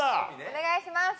お願いします。